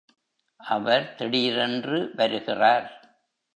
அவர் திடீரென்று வருகிறார்.